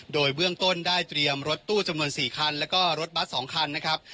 โดยเบื้องต้นได้เตรียมรถตู้จำนวน๔คันแล้วก็รถบัส๒คันนะครับ